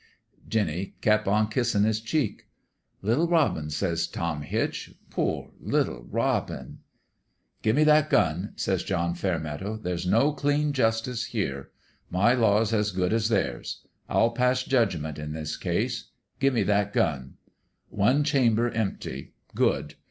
1 " Jinny kep' on kissin' his cheek. "' Little robin !' says Tom Hitch. ' Poor little robin 1 '"' Give me that gun,' says John Fairmeadow. 'There's no clean justice here. My law's as good as theirs. I'll pass judgment in this case. Give me that gun. ... One chamber empty. Good.